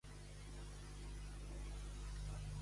Maggie, passa, seu i menja alguna cosa.